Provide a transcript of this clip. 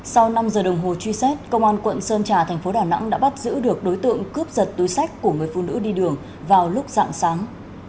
sau năm giờ đồng hồ truy xét công an quận sơn trà thành phố đà nẵng đã bắt giữ được đối tượng cướp giật túi sách của người phụ nữ đi đường vào lúc dạng sáng